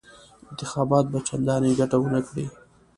انتخابات به چنداني ګټه ونه کړي.